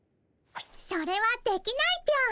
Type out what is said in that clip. それはできないぴょん。